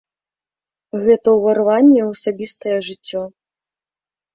Гэта ўварванне ў асабістае жыццё.